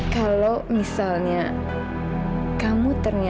kalau misalnya aida itu mau masuk ke rumah